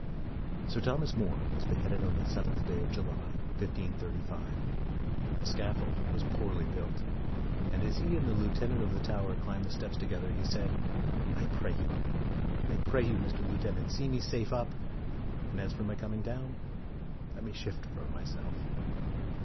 Sir Thomas More was beheaded on the seventh day of July, 1535. The scaffold was poorly built, and as he and the lieu tenant of the Tower climbed the steps to gether, he said, " I pray you, I pray you, Mr. Lieutenant, see me safe up, and for my coming down, let me shift for my self."